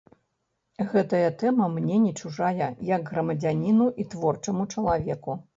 Гэтая тэма мне не чужая, як грамадзяніну і творчаму чалавеку.